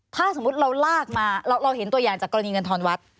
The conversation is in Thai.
ถ้าสมมุติเราลากมาเราเห็นตัวอย่างจากกรณีเงินทอนวัด